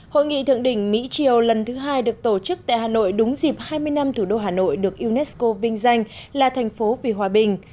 hội nghị thượng đỉnh mỹ triều lần thứ hai được tổ chức tại hà nội đúng dịp hai mươi năm thủ đô hà nội được unesco vinh danh là thành phố vì hòa bình